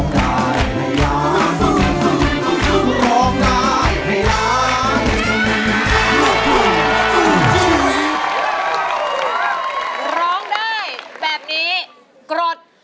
กรด